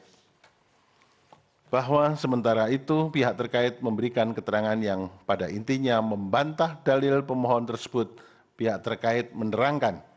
bahwa sementara itu pihak terkait memberikan keterangan yang pada intinya membantah dalil pemohon tersebut pihak terkait menerangkan